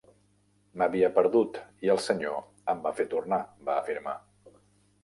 "M'havia perdut i el Senyor em va fer tornar", va afirmar.